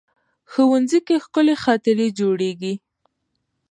ښوونځی کې ښکلي خاطرې جوړېږي